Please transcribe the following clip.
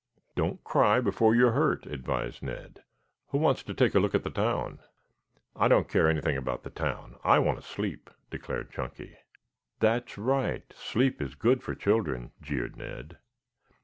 "Don't cry before you're hurt," advised Ned. "Who wants to take a look at the town?" "I don't care anything about the town; I want to sleep," declared Chunky. "That's right. Sleep is good for children," jeered Ned.